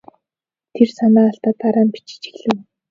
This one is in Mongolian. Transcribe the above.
Тэр санаа алдаад дараа нь бичиж эхлэв.